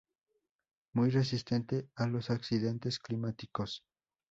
Muy resistente a los accidentes climáticos.